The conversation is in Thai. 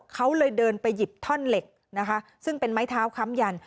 เขาเลยเดินไปหยิบท่อนเหล็กนะคะซึ่งเป็นไม้เท้าค้ำยัน